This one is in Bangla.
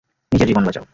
নিজের জীবন বাচাও।